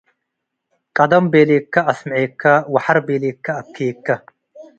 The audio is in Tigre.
ቀደም ቤሌከ አስምዔከ ወሐር ቤሌከ አብኬከ።